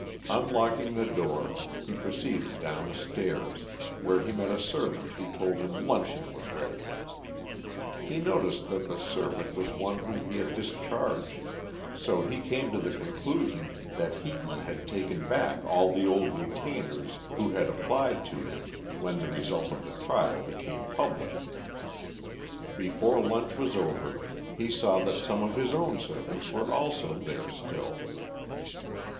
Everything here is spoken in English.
Unlocking the door, he proceeded down the stairs, where he met a servant who told him luncheon was ready. He noticed that the servant was one whom he had discharged, so he came to the conclusion that Heaton had taken back all the old retainers who had applied to him when the result of the trial became public. Before lunch was over he saw that some of his own servants were also there still.